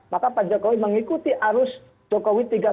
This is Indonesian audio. maka pak jokowi mengikuti arus jokowi tiga